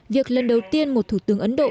việc lần đầu tiên một thủ tướng ấn độ